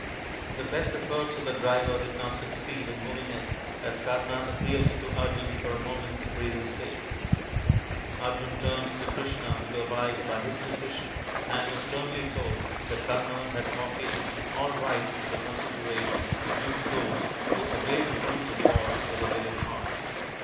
The best efforts of the driver did not succeed in moving it as Kama appealed to Arjun for a moment's breathing space. Arjun turned to Krishna to abide by his decision, and was sternly told that Kama had forfeited all right to the con sideration due to those who obeyed the rules of war with a willing heart.